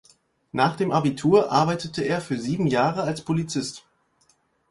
Nach dem Abitur arbeitete er für sieben Jahre als Polizist.